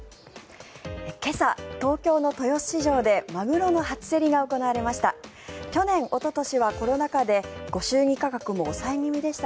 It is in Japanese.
今朝、東京の豊洲市場でマグロの初競りが行われました。